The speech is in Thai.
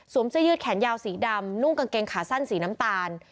เสื้อยืดแขนยาวสีดำนุ่งกางเกงขาสั้นสีน้ำตาล